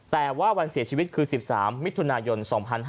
แต่ว่าวันเสียชีวิตคือ๑๓มิถุนายน๒๕๕๙